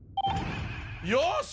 よし。